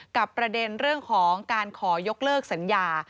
ประเด็นเรื่องของการขอยกเลิกสัญญา